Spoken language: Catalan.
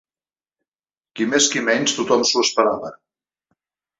Qui més qui menys, tothom s'ho esperava.